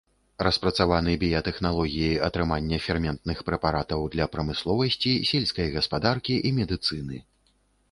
Распрацаваны біятэхналогіі атрымання ферментных прэпаратаў для прамысловасці, сельскай гаспадаркі і медыцыны.